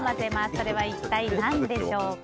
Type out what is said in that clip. それは一体何でしょう？